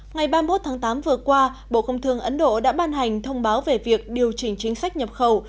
ngày ba mươi một tháng tám vừa qua bộ công thương ấn độ đã ban hành thông báo về việc điều chỉnh chính sách nhập khẩu